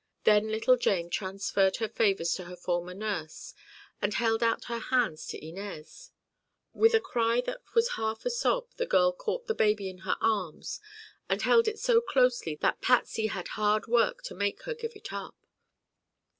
Then little Jane transferred her favors to her former nurse and held out her hands to Inez. With a cry that was half a sob the girl caught the baby in her arms and held it so closely that Patsy had hard work to make her give it up.